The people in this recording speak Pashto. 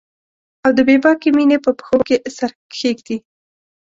او د بې باکې میینې په پښو کې سر کښیږدي